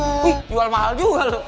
wih jual mahal juga loh